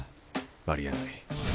ありえない。